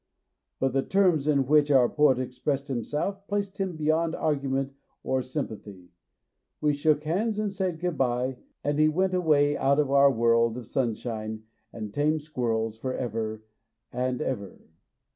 But the terms in which our poet expressed himself placed him beyond argument or sympathy. We shook hands and said good bye, and he went away out of our world of sunshine and tame squirrels for ever and ever.